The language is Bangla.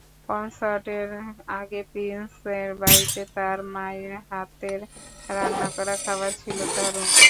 কনসার্টের আগে প্রিন্সের বাড়িতে তাঁর মায়ের হাতের রান্না করা খাবার ছিল দারুণ।